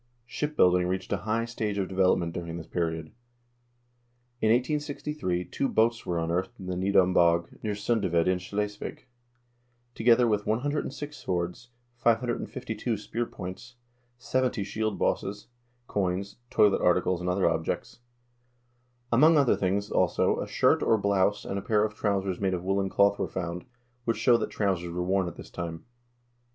Ship building reached a high stage of de velopment during this period. In 1863 two boats were unearthed in the Nydam bog, near Sundeved in Schleswig, together with 106 swords, 552 spear points, seventy shield bosses, coins, toilet articles, and other objects ; among other things, also, a shirt, or blouse, and a pair of trousers made of woolen cloth were found, which show that trousers were worn at this time.